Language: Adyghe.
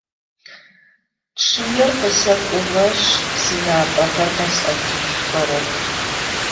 Чъыер къысэкӏугъэшъ сынапӏэхэр къэсӏэтышъухэрэп.